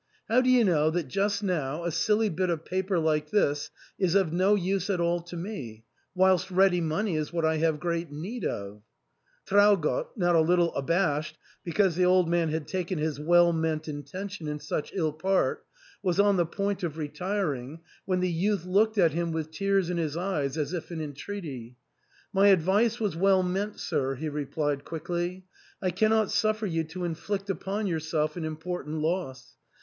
How do you know that just now a silly bit of paper like this is of no use at all to me, whilst ready money is what I have great need of ?" Traugott, not • a little abashed because the old man had taken his well meant intention in such ill part, was on the point of retiring, when the youth looked at him with tears in his eyes, as if in entreaty. " My advice was well meant, sir," he replied quickly ;" I cannot suffer you to inflict upon yourself an important loss.